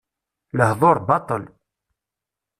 Lehduṛ baṭel.